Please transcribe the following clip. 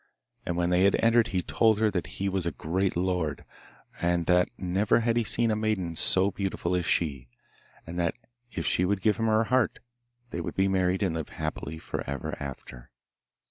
And when they had entered he told her that he was a great lord, and that never had he seen a maiden so beautiful as she, and that if she would give him her heart they would be married and live happy for ever after.